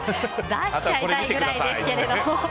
出しちゃいたいくらいですけれども。